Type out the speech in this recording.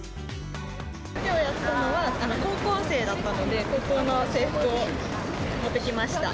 きょうやったのは高校生だったので、高校の制服を持ってきました。